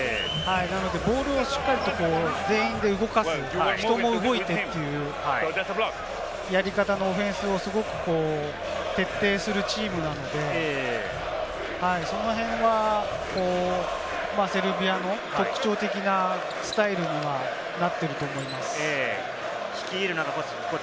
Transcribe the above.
ボールをしっかりと全員で動かす、人も動いてという、やり方のオフェンスをすごく徹底するチームなので、その辺はセルビアの特徴的なスタイルにはなっていると思います。